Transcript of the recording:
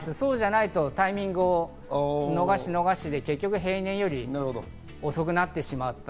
そうじゃないとタイミングを逃し逃しで平年より遅くなってしまう。